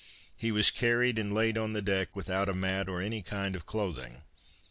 He was carried and laid on the deck without a mat or any kind of clothing.